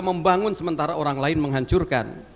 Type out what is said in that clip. membangun sementara orang lain menghancurkan